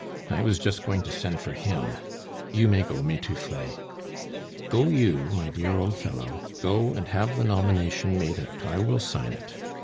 "I was just going to send for him! You may go, Mitouflet. Go you, my dear old fellow, go and have the nomination made out; I will sign it.